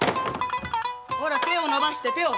ほら手を伸ばして手を！